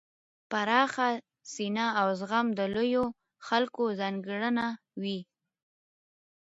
پراخه سینه او زغم د لویو خلکو ځانګړنه وي.